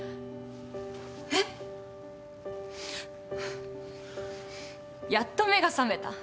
えっ？やっと目が覚めた。